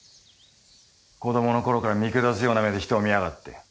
子どもの頃から見くだすような目で人を見やがって。